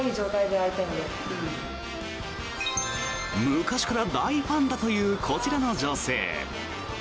昔から大ファンだというこちらの女性。